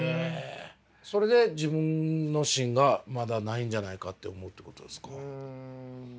それで自分の芯がまだないんじゃないかって思うってことですか？